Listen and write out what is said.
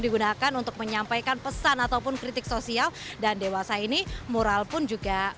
digunakan untuk menyampaikan pesan ataupun kritik sosial dan dewasa ini mural pun juga